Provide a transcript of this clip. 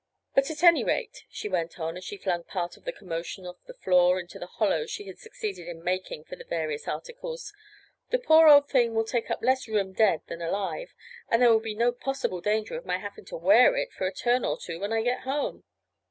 "But at any rate," she went on, as she flung part of the "commotion" off the floor into the hollow she had succeeded in making for the various articles, "the poor old thing will take up less room dead than alive, and there will be no possible danger of my having to wear it for a turn or two when I get home.